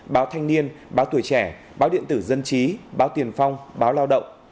báo thanh niên báo tuổi trẻ báo điện tử dân trí báo tiền phong báo lao động